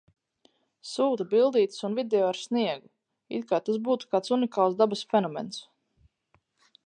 Sūta bildītes un video ar sniegu. It kā tas būtu kāds unikāls dabas fenomens.